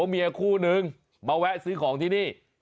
เมียคู่นึงมาแวะซื้อของที่นี่